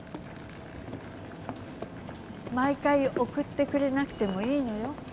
毎回、送ってくれなくてもいいのよ？